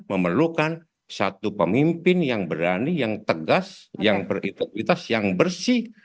memerlukan satu pemimpin yang berani yang tegas yang berintegritas yang bersih